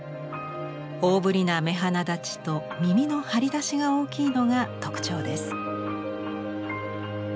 大ぶりな目鼻だちと耳の張り出しが大きいのが特徴です。